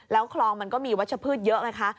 แล้วคลองมันก็มีวัชพืชเยอะไงคะ